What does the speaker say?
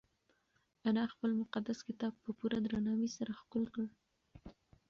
انا خپل مقدس کتاب په پوره درناوي سره ښکل کړ.